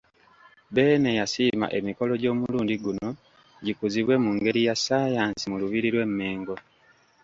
Beene yasiima emikolo gy'omulundi guno gikuzibwe mu ngeri ya Ssaayansi mu Lubiri lw' eMmengo.